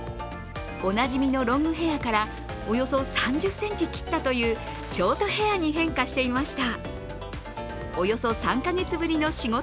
おなじみのロングヘアからおよそ３０ｃｍ切ったというショートヘアに変化していました。